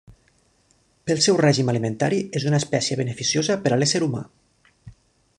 Pel seu règim alimentari és una espècie beneficiosa per a l'ésser humà.